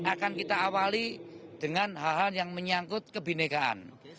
akan kita awali dengan hal hal yang menyangkut kebinekaan